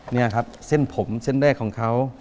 นี่ครับเส้นผมเส้นแรกของเขา